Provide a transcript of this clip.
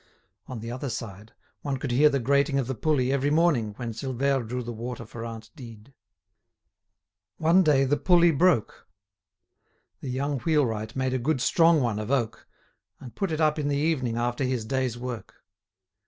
On the other side, one could hear the grating of the pulley every morning when Silvère drew the water for aunt Dide. One day the pulley broke. The young wheelwright made a good strong one of oak, and put it up in the evening after his day's work.